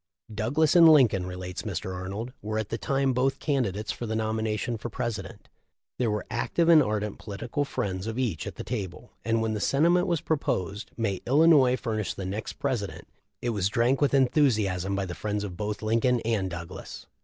"Douglas and Lincoln," re lates Mr. Arnold, "were at the time both candi dates for the nomination for President. There were active and ardent political friends of each at the table, and when the sentiment was proposed, 'May Illinois furnish the next President,' it was drank with enthusiasm by the friends of both Lin coln and Douglas.